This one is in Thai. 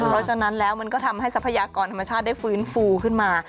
แล้วฉะนั้นมันก็ทำให้สภายากรธรรมชาติได้ฟื้นฟูขึ้นมา